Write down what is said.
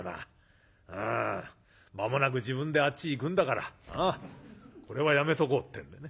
うん間もなく自分であっち行くんだからこれはやめとこう」ってんでね。